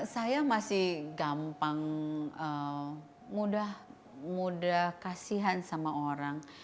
saya masih gampang mudah mudah kasihan sama orang